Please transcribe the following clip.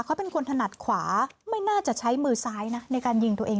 เขาเป็นคนถนัดขวาไม่น่าจะใช้มือซ้ายนะในการยิงตัวเอง